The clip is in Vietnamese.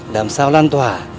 làm sao lan tỏa